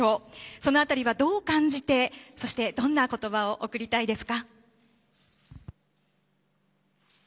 その辺りはどう感じて、そしてどんな言葉を贈りたいですか？